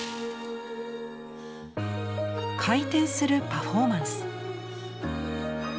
回転するパフォーマンス。